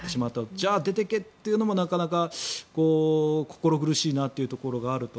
じゃあ、出て行けというのもなかなか心苦しいなというところがあると。